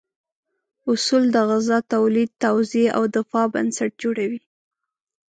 اصول د غذا تولید، توزیع او دفاع بنسټ جوړوي.